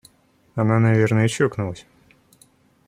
Она, наверное, чокнулась.